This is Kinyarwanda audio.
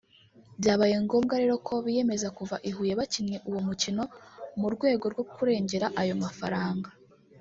Byabaye ngombwa rero ko biyemeza kuva i Huye bakinnye uwo mukino mu rwego rwo kurengera ayo mafaranga